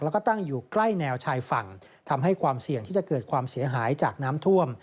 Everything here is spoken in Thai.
แล้วก็ตั้งอยู่ใกล้แนวชายฝั่งทำให้ความเสี่ยงที่จะเกิดความเสียหายจากน้ำท่วม